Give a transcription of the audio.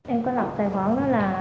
em có lập tài khoản đó là